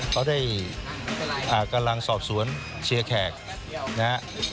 เขาได้กำลังสอบสวนเชียร์แขกนะฮะ